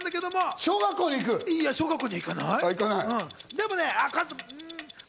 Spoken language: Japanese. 小学校には行かない！